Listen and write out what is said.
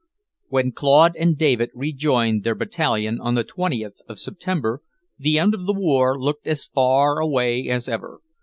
XV When Claude and David rejoined their Battalion on the 20th of September, the end of the war looked as far away as ever.